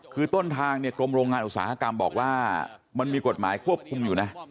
คือต้นทางเนี่ยกรมโรงงานอุตสาหกรรมบอกว่ามันมีกฎหมายควบคุมอยู่นะ